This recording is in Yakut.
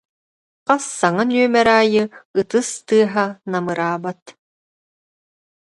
Хас саҥа нүөмэр аайы ытыс тыаһа намыраабат